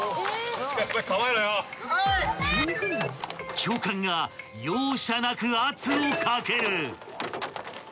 ［教官が容赦なく圧をかける］